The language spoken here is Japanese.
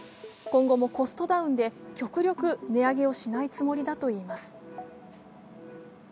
今後もコストダウンで極力、値上げをしないつもりだといいます。